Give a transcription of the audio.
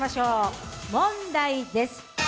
問題です。